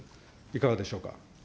いかがでしょうか。